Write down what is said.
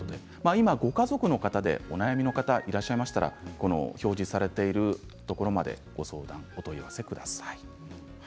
今ご家族の方でお悩みの方いらっしゃいましたが表示されているところまでお問い合わせください。